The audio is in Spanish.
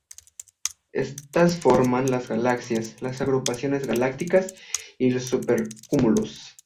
Estas forman las galaxias, las agrupaciones galácticas y los supercúmulos.